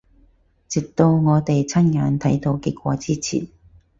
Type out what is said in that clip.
直到我哋親眼睇到結果之前